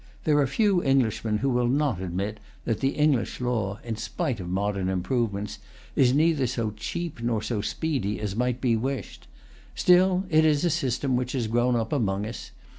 There are few Englishmen who will not admit that the English law, in spite of modern improvements, is neither so cheap nor so speedy as might be wished. Still, it is a system which has grown up among us.